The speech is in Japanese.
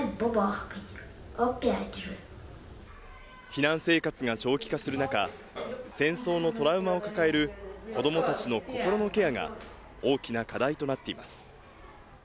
避難生活が長期化する中、戦争のトラウマを抱える子どもたちの心のケアが、大きな課題となっています。